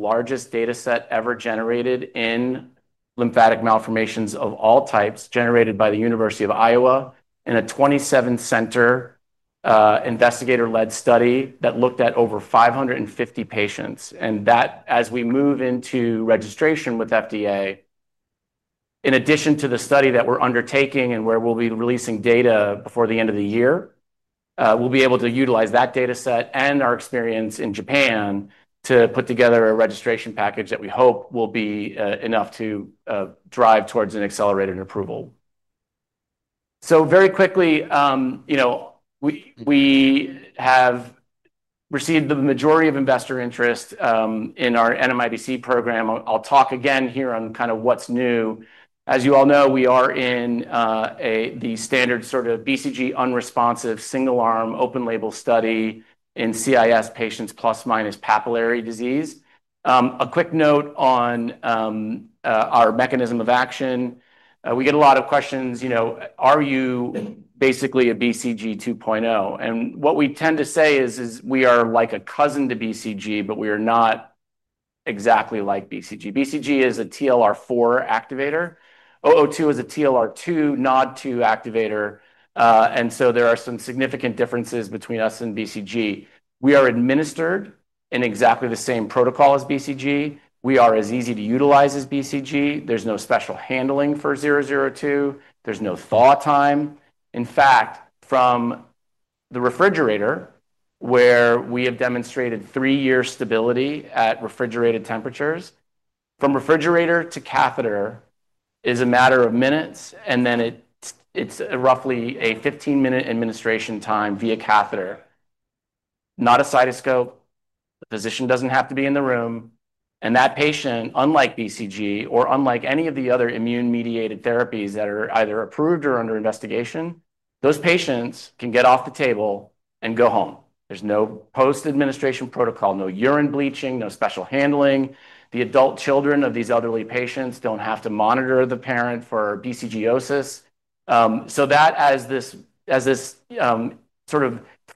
The largest data set ever generated in lymphatic malformations of all types, generated by the University of Iowa in a 27-center, investigator-led study that looked at over 550 patients. As we move into registration with FDA, in addition to the study that we're undertaking and where we'll be releasing data before the end of the year, we'll be able to utilize that data set and our experience in Japan to put together a registration package that we hope will be enough to drive towards an accelerated approval. Very quickly, we have received the majority of investor interest in our NMIBC program. I'll talk again here on kind of what's new. As you all know, we are in the standard sort of BCG-unresponsive single-arm open-label study in CIS patients plus or minus papillary disease. A quick note on our mechanism of action. We get a lot of questions, you know, are you basically a BCG 2.0? What we tend to say is, we are like a cousin to BCG, but we are not exactly like BCG. BCG is a TLR4 activator. TARA-002 is a TLR2/NOD2 activator, and so there are some significant differences between us and BCG. We are administered in exactly the same protocol as BCG. We are as easy to utilize as BCG. There's no special handling for TARA-002. There's no thaw time. In fact, from the refrigerator, where we have demonstrated three-year stability at refrigerated temperatures, from refrigerator to catheter is a matter of minutes, and then it's roughly a 15-minute administration time via catheter, not a cystoscope. The physician doesn't have to be in the room, and that patient, unlike BCG or unlike any of the other immune-mediated therapies that are either approved or under investigation, those patients can get off the table and go home. There's no post-administration protocol, no urine bleaching, no special handling. The adult children of these elderly patients don't have to monitor the parent for BCGosis. As this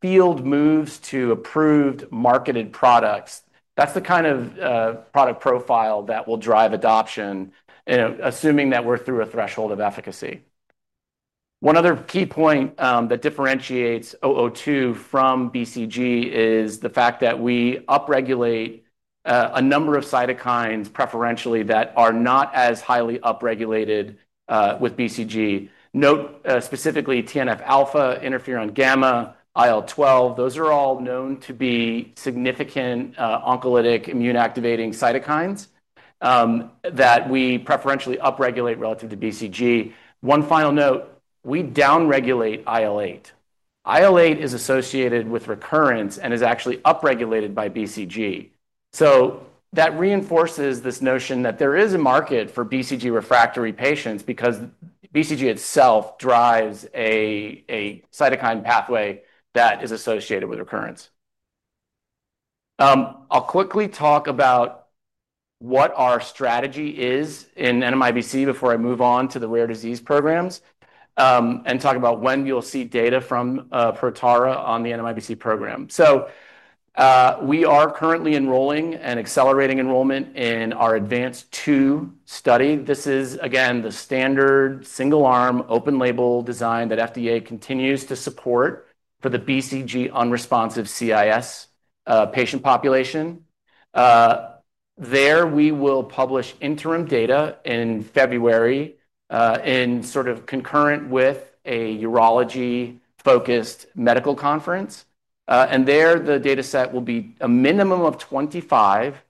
field moves to approved marketed products, that's the kind of product profile that will drive adoption, assuming that we're through a threshold of efficacy. One other key point that differentiates TARA-002 from BCG is the fact that we upregulate a number of cytokines preferentially that are not as highly upregulated with BCG. Note, specifically TNF-alpha, interferon-gamma, IL-12, those are all known to be significant oncolytic immune-activating cytokines that we preferentially upregulate relative to BCG. One final note, we down-regulate IL-8. IL-8 is associated with recurrence and is actually upregulated by BCG. That reinforces this notion that there is a market for BCG-refractory patients because BCG itself drives a cytokine pathway that is associated with recurrence. I'll quickly talk about what our strategy is in NMIBC before I move on to the rare disease programs, and talk about when you'll see data from Protara Therapeutics on the NMIBC program. We are currently enrolling and accelerating enrollment in our Advanced II study. This is, again, the standard single-arm open label design that FDA continues to support for the BCG-unresponsive CIS patient population. We will publish interim data in February, in sort of concurrent with a urology-focused medical conference. The data set will be a minimum of 25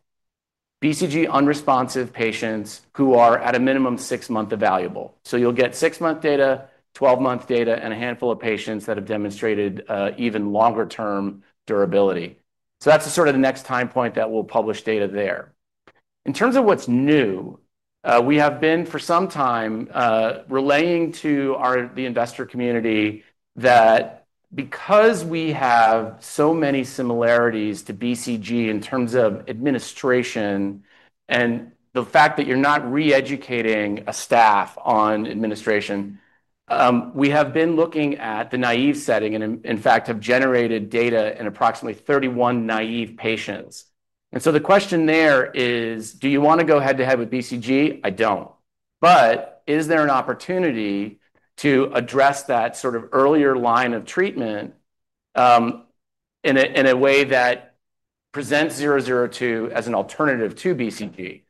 BCG-unresponsive patients who are at a minimum six months evaluable. You'll get six-month data, 12-month data, and a handful of patients that have demonstrated even longer-term durability. That's the next time point that we'll publish data there. In terms of what's new, we have been for some time relaying to our investor community that because we have so many similarities to BCG in terms of administration and the fact that you're not re-educating a staff on administration, we have been looking at the naive setting and in fact have generated data in approximately 31 naive patients. The question there is, do you want to go head-to-head with BCG? I don't. Is there an opportunity to address that sort of earlier line of treatment in a way that presents TARA-002 as an alternative to BCG?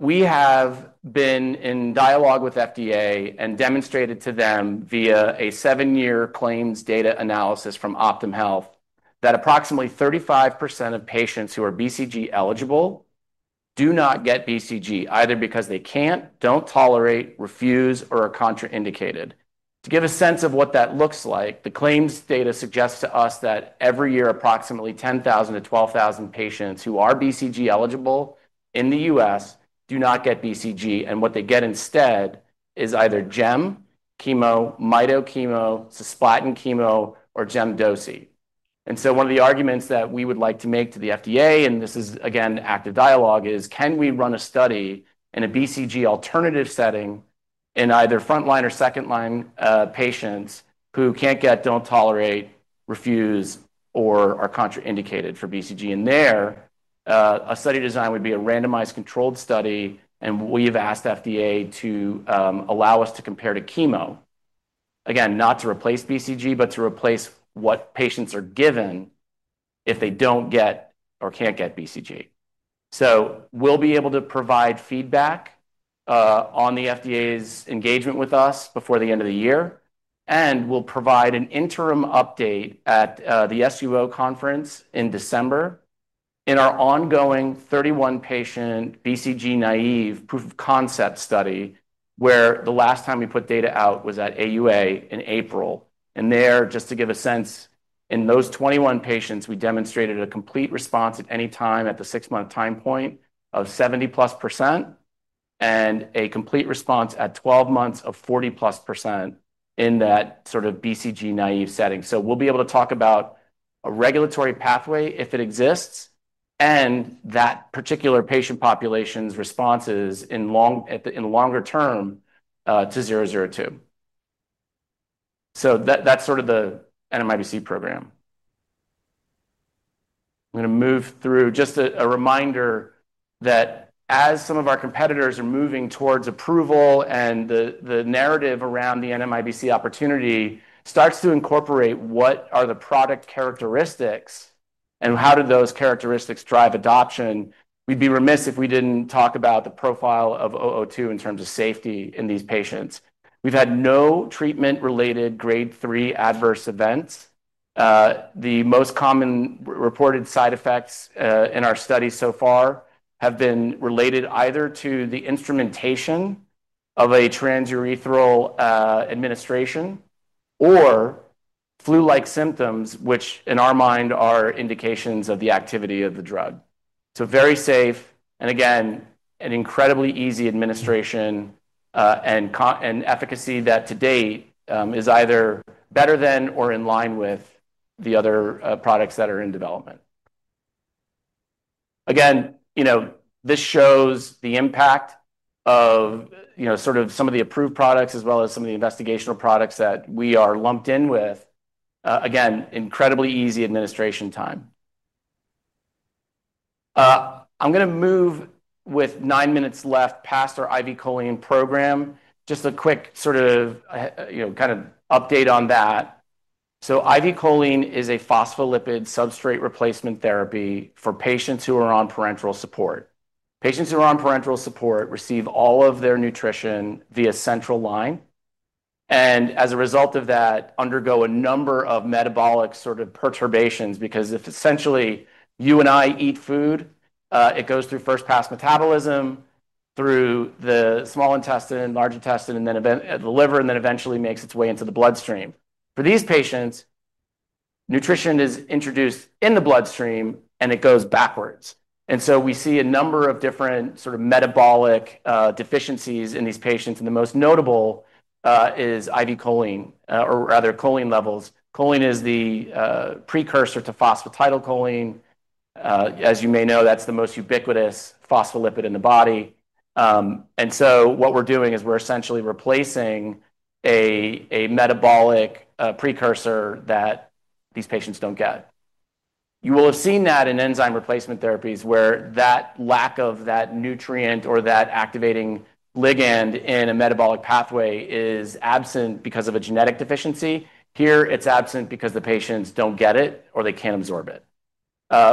We have been in dialogue with FDA and demonstrated to them via a seven-year claims data analysis from Optum Health that approximately 35% of patients who are BCG eligible do not get BCG either because they can't, don't tolerate, refuse, or are contraindicated. To give a sense of what that looks like, the claims data suggests to us that every year approximately 10,000 to 12,000 patients who are BCG eligible in the United States do not get BCG, and what they get instead is either Gem, chemo, mito, chemo, cisplatin chemo, or Gem dosi. One of the arguments that we would like to make to the FDA, and this is again active dialogue, is can we run a study in a BCG alternative setting in either front-line or second-line patients who can't get, don't tolerate, refuse, or are contraindicated for BCG? A study design would be a randomized controlled study, and we've asked FDA to allow us to compare to chemo. Again, not to replace BCG, but to replace what patients are given if they don't get or can't get BCG. We'll be able to provide feedback on the FDA's engagement with us before the end of the year, and we'll provide an interim update at the SUO conference in December in our ongoing 31-patient BCG-naive proof of concept study, where the last time we put data out was at AUA in April. Just to give a sense, in those 21 patients, we demonstrated a complete response at any time at the six-month time point of 70+% and a complete response at 12 months of 40+% in that sort of BCG-naive setting. We'll be able to talk about a regulatory pathway if it exists and that particular patient population's responses in longer term to TARA-002. That's sort of the NMIBC program. I'm going to move through just a reminder that as some of our competitors are moving towards approval and the narrative around the NMIBC opportunity starts to incorporate what are the product characteristics and how those characteristics drive adoption, we'd be remiss if we didn't talk about the profile of TARA-002 in terms of safety in these patients. We've had no treatment-related grade 3 adverse events. The most common reported side effects in our study so far have been related either to the instrumentation of a transurethral administration or flu-like symptoms, which in our mind are indications of the activity of the drug. Very safe, and again, an incredibly easy administration, and efficacy that to date is either better than or in line with the other products that are in development. This shows the impact of some of the approved products as well as some of the investigational products that we are lumped in with. Incredibly easy administration time. I'm going to move with nine minutes left past our IV Choline Chloride program. Just a quick update on that. IV Choline Chloride is a phospholipid substrate replacement therapy for patients who are on parenteral support. Patients who are on parenteral support receive all of their nutrition via central line, and as a result of that, undergo a number of metabolic sort of perturbations because if essentially you and I eat food, it goes through first pass metabolism through the small intestine, large intestine, and then the liver, and then eventually makes its way into the bloodstream. For these patients, nutrition is introduced in the bloodstream and it goes backwards. We see a number of different sort of metabolic deficiencies in these patients, and the most notable is IV choline, or rather choline levels. Choline is the precursor to phosphatidylcholine. As you may know, that's the most ubiquitous phospholipid in the body. What we're doing is we're essentially replacing a metabolic precursor that these patients don't get. You will have seen that in enzyme replacement therapies where that lack of that nutrient or that activating ligand in a metabolic pathway is absent because of a genetic deficiency. Here, it's absent because the patients don't get it or they can't absorb it.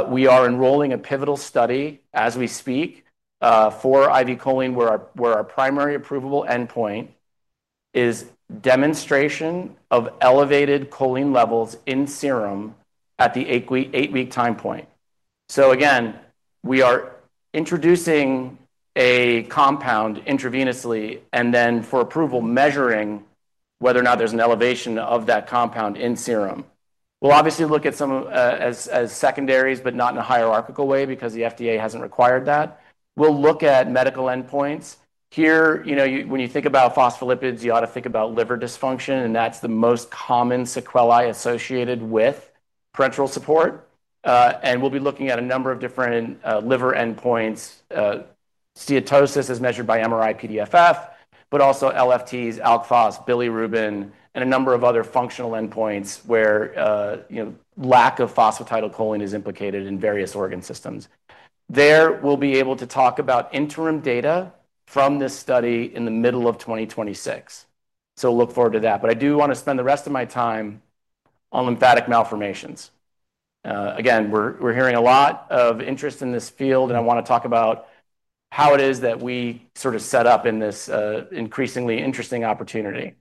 We are enrolling a pivotal study as we speak, for IV Choline Chloride where our primary approval endpoint is demonstration of elevated choline levels in serum at the eight-week time point. Again, we are introducing a compound intravenously and then for approval measuring whether or not there's an elevation of that compound in serum. We'll obviously look at some of, as secondaries, but not in a hierarchical way because the FDA hasn't required that. We'll look at medical endpoints. Here, you know, when you think about phospholipids, you ought to think about liver dysfunction, and that's the most common sequelae associated with parenteral support. We will be looking at a number of different liver endpoints. Steatosis is measured by MRI PDFF, but also LFTs, alk phos, bilirubin, and a number of other functional endpoints where lack of phosphatidylcholine is implicated in various organ systems. There we'll be able to talk about interim data from this study in the middle of 2026. Look forward to that. I do want to spend the rest of my time on lymphatic malformations. We're hearing a lot of interest in this field, and I want to talk about how it is that we sort of set up in this increasingly interesting opportunity.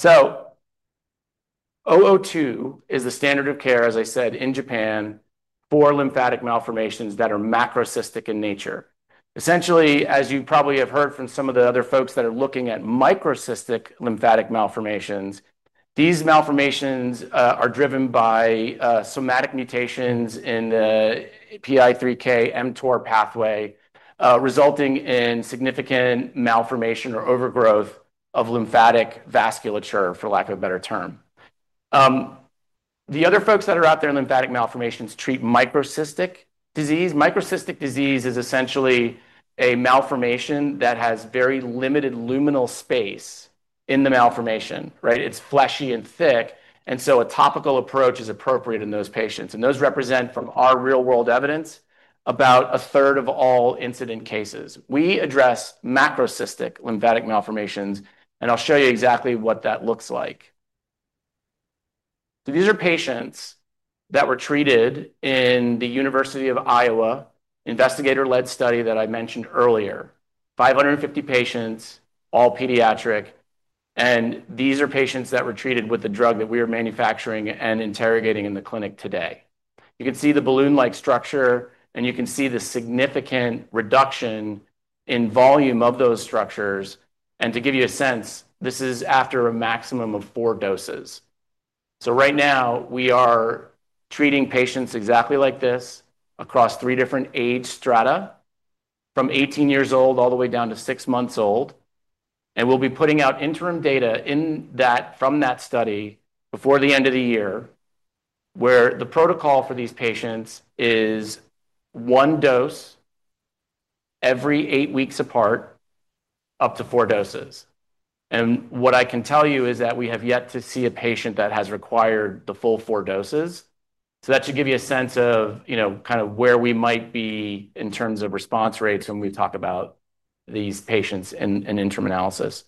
TARA-002 is the standard of care, as I said, in Japan for lymphatic malformations that are macrocystic in nature. Essentially, as you probably have heard from some of the other folks that are looking at microcystic lymphatic malformations, these malformations are driven by somatic mutations in the PI3K mTOR pathway, resulting in significant malformation or overgrowth of lymphatic vasculature, for lack of a better term. The other folks that are out there in lymphatic malformations treat microcystic disease. Microcystic disease is essentially a malformation that has very limited luminal space in the malformation, right? It's fleshy and thick. A topical approach is appropriate in those patients. Those represent, from our real-world evidence, about a third of all incident cases. We address macrocystic lymphatic malformations, and I'll show you exactly what that looks like. These are patients that were treated in the University of Iowa investigator-led study that I mentioned earlier. 550 patients, all pediatric, and these are patients that were treated with the drug that we are manufacturing and interrogating in the clinic today. You can see the balloon-like structure, and you can see the significant reduction in volume of those structures. To give you a sense, this is after a maximum of four doses. Right now, we are treating patients exactly like this across three different age strata, from 18 years old all the way down to six months old. We'll be putting out interim data from that study before the end of the year, where the protocol for these patients is one dose every eight weeks apart, up to four doses. What I can tell you is that we have yet to see a patient that has required the full four doses. That should give you a sense of where we might be in terms of response rates when we talk about these patients in interim analysis.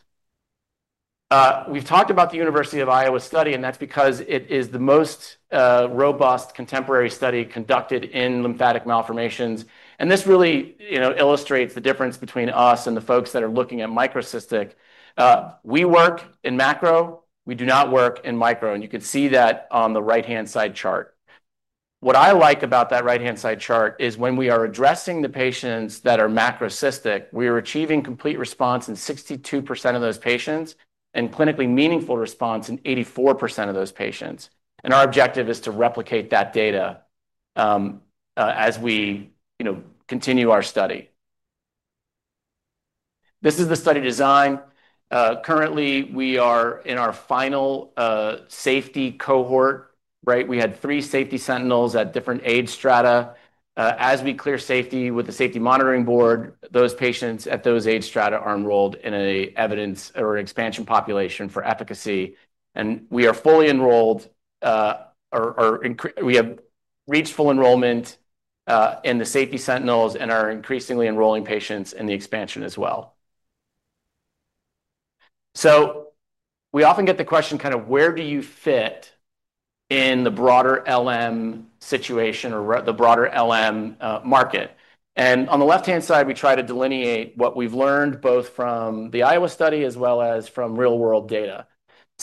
We've talked about the University of Iowa study, and that's because it is the most robust contemporary study conducted in lymphatic malformations. This really illustrates the difference between us and the folks that are looking at microcystic. We work in macro. We do not work in micro. You can see that on the right-hand side chart. What I like about that right-hand side chart is when we are addressing the patients that are macrocystic, we are achieving complete response in 62% of those patients and clinically meaningful response in 84% of those patients. Our objective is to replicate that data as we continue our study. This is the study design. Currently, we are in our final safety cohort, right? We had three safety sentinels at different age strata. As we clear safety with the safety monitoring board, those patients at those age strata are enrolled in an evidence or an expansion population for efficacy. We are fully enrolled, or we have reached full enrollment, in the safety sentinels and are increasingly enrolling patients in the expansion as well. We often get the question, kind of, where do you fit in the broader LM situation or the broader LM market? On the left-hand side, we try to delineate what we've learned both from the Iowa study as well as from real-world data.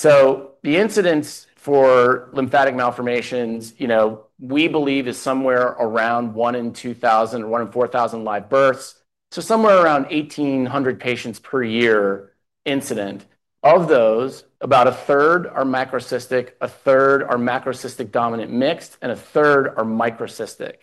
The incidence for lymphatic malformations, you know, we believe is somewhere around one in 2,000, one in 4,000 live births. Somewhere around 1,800 patients per year incident. Of those, about a third are macrocystic, a third are macrocystic dominant mixed, and a third are microcystic.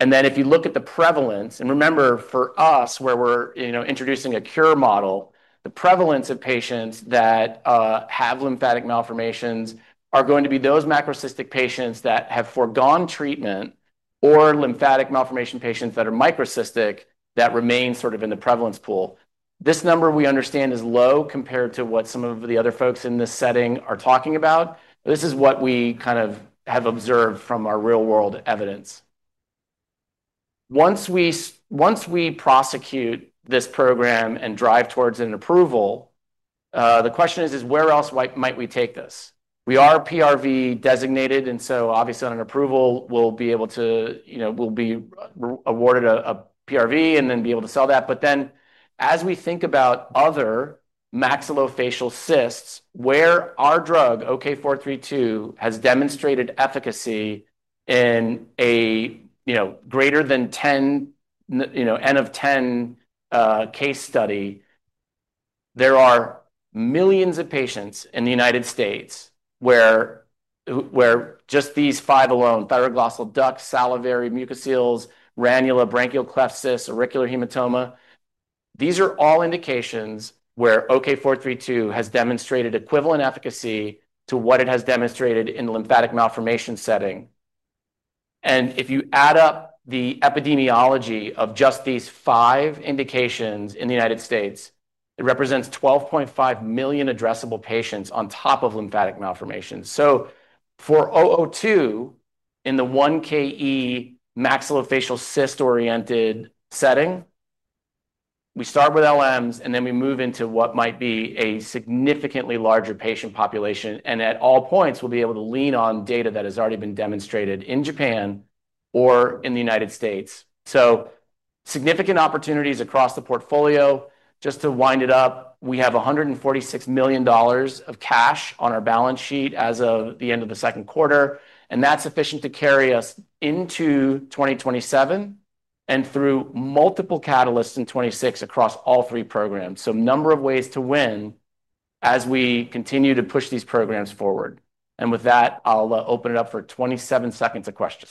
If you look at the prevalence, and remember for us where we're, you know, introducing a cure model, the prevalence of patients that have lymphatic malformations are going to be those macrocystic patients that have foregone treatment or lymphatic malformation patients that are microcystic that remain sort of in the prevalence pool. This number we understand is low compared to what some of the other folks in this setting are talking about. This is what we kind of have observed from our real-world evidence. Once we prosecute this program and drive towards an approval, the question is, is where else might we take this? We are PRV designated, and obviously on an approval, we'll be able to, you know, we'll be awarded a PRV and then be able to sell that. As we think about other maxillofacial cysts, where our drug OK432 has demonstrated efficacy in a, you know, greater than 10, you know, N of 10, case study, there are millions of patients in the United States where just these five alone, thyroglossal duct, salivary mucoceles, ranula, branchial cleft cyst, auricular hematoma, these are all indications where OK432 has demonstrated equivalent efficacy to what it has demonstrated in the lymphatic malformation setting. If you add up the epidemiology of just these five indications in the United States, it represents 12.5 million addressable patients on top of lymphatic malformations. For TARA-002 in the maxillofacial cystic-oriented setting, we start with lymphatic malformations and then we move into what might be a significantly larger patient population. At all points, we'll be able to lean on data that has already been demonstrated in Japan or in the United States. Significant opportunities exist across the portfolio. Just to wind it up, we have $146 million of cash on our balance sheet as of the end of the second quarter. That's sufficient to carry us into 2027 and through multiple catalysts in 2026 across all three programs. There are a number of ways to win as we continue to push these programs forward. With that, I'll open it up for 27 seconds of questions.